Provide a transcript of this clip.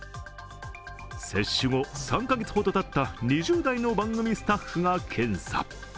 接種後３カ月ほどたった２０代の番組スタッフが検査。